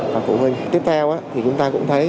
và phụ huynh tiếp theo thì chúng ta cũng thấy